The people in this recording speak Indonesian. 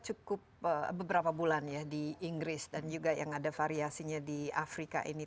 cukup beberapa bulan ya di inggris dan juga yang ada variasinya di afrika ini